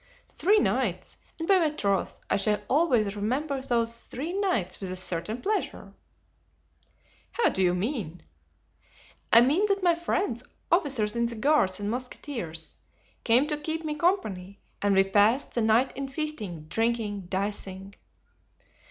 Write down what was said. "Three nights; and, by my troth, I shall always remember those three nights with a certain pleasure." "How do you mean?" "I mean that my friends, officers in the guards and mousquetaires, came to keep me company and we passed the night in feasting, drinking, dicing."